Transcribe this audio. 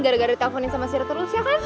gara gara di telfonin sama sila terus ya kan